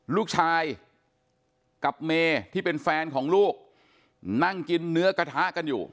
ลูกชายกับเมที่เป็นแฟนของลูกนั่งกินเนื้อกระทะกันอยู่